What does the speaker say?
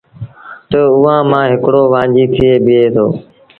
تا اُئآݩ مآݩ هڪڙو وآنجھي تي بيٚهي دو۔